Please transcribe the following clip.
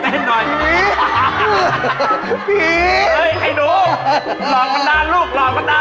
โอ้โฮพี่โอ้โฮไอ้หมอน